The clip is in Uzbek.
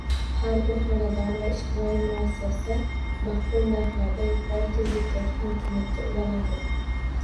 Har bir xonadon va ijtimoiy muassasa maqbul narxlarda yuqori tezlikdagi Internetga ulanadi